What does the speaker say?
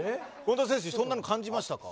そんなの感じましたか。